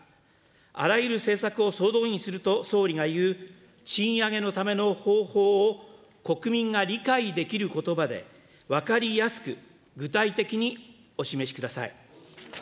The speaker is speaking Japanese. あらゆる政策を総動員すると総理が言う賃上げのための方法を、国民が理解できることばで、分かりやすく、具体的にお示しください。